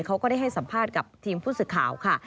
เขาก็ได้ให้สัมภาษณ์กับทีมผู้สื่อข่าวค่ะ